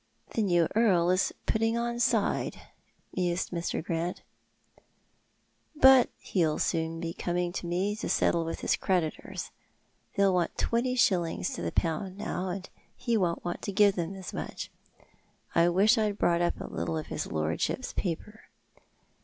" The new earl is putting on side," mused Mr. Grant ;" but he'll soon be coming to me to settle with his creditors. They'll want twenty shillings in the pound now, and he won't want to give them as much. I wish I'd bought up a little of his lord ship's paper.